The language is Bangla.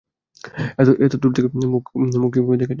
এত দূর থেকে মুখ কীভাবে দেখা যায়।